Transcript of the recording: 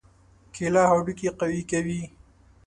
کېله هډوکي قوي کوي.